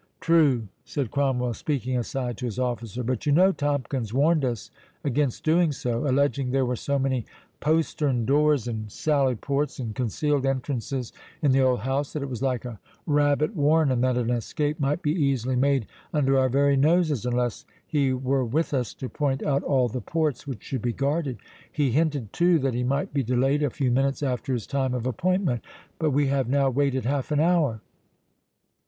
"True," said Cromwell, speaking aside to his officer, "but you know Tomkins warned us against doing so, alleging there were so many postern doors, and sallyports, and concealed entrances in the old house, that it was like a rabbit warren, and that an escape might be easily made under our very noses, unless he were with us, to point out all the ports which should be guarded. He hinted, too, that he might be delayed a few minutes after his time of appointment—but we have now waited half an hour."